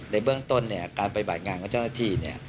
ในเบื้องต้นการไปบ่ายงานของเจ้าหน้าที่